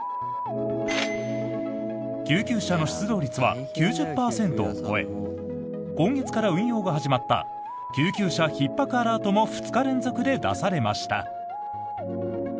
救急車の出動率は９０％を超え今月から運用が始まった救急車ひっ迫アラートも２日連続で出されました。